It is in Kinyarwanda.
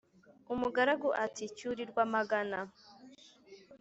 umugaragu ati: “cyurirwa amagana”